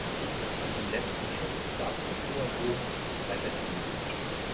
Auf dem letzten Schuss saß ein hoher Dom mit zwei Ventilen.